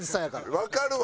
わかるわ！